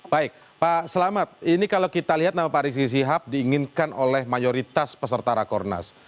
baik pak selamat ini kalau kita lihat nama pak rizik sihab diinginkan oleh mayoritas peserta rakornas